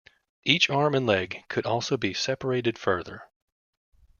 Each arm and leg could also be separated further.